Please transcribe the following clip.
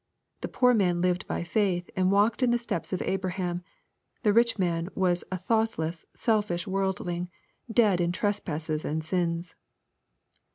The poor man lived by faith, and walked in the steps of Abraham. The rich man was a thoughtless, selfish worldling, dead in trespasses and sins.